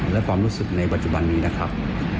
และความรู้สึกในปัจจุบันนี้นะครับ